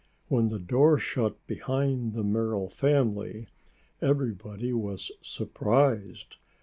When the door shut behind the Merrill family, everybody was surprised.